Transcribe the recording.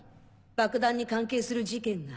爆弾に関係する事件が。